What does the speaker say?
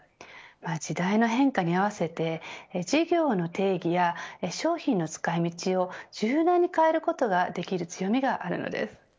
時代の変化に合わせて事業の定義や商品の使い道を柔軟に変えることができる強みがあるのです。